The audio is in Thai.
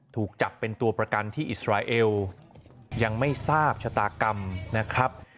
ถูกจับเป็นตัวประกันที่อิสราเอลยังไม่ทราบชะตากรรมนะครับ